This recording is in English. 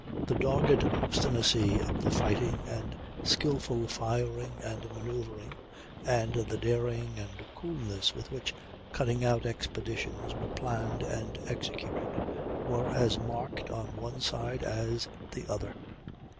The dogged obstinacy of the fighting, the skilful firing and manoeuvring, and the daring and coolness with which cutting out expeditions were planned and executed, were as marked on one side as the other.